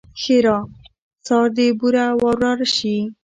ښېرا؛ سار دې بوره وراره شي!